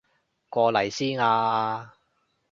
過嚟先啊啊啊